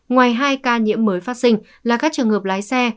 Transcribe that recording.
ngoài hai ca nhiễm mới phát sinh là các trường hợp lái xe